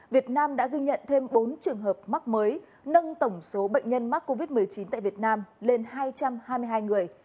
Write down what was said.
việt nam đã ghi nhận thêm bốn trường hợp mắc mới nâng tổng số bệnh nhân mắc covid một mươi chín tại việt nam lên hai trăm hai mươi hai người